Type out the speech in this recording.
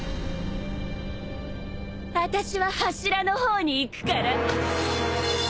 あたしは柱の方に行くから